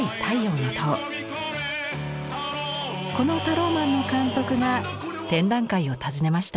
この「ＴＡＲＯＭＡＮ」の監督が展覧会を訪ねました。